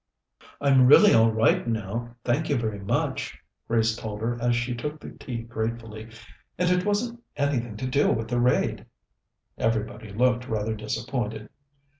"I'm really all right now, thank you very much," Grace told her as she took the tea gratefully. "And it wasn't anything to do with the raid." Everybody looked rather disappointed.